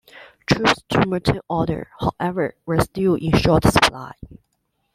Troops to maintain order, however, were still in short supply.